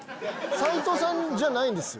斎藤さんじゃないんですよ。